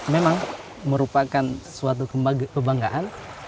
memang merupakan suatu kebanggaan